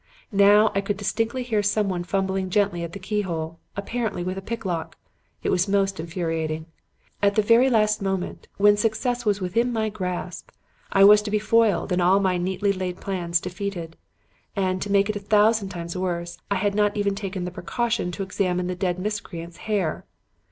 Now I could distinctly hear someone fumbling gently at the keyhole, apparently with a picklock. It was most infuriating. At the very last moment, when success was within my grasp, I was to be foiled and all my neatly laid plans defeated. And to make it a thousand times worse, I had not even taken the precaution to examine the dead miscreants' hair!